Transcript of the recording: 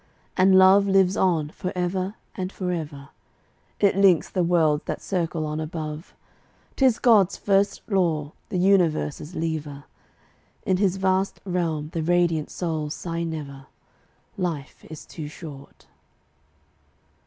And love lives on forever and forever; It links the worlds that circle on above: 'Tis God's first law, the universe's lever. In His vast realm the radiant souls sigh never "Life is too short."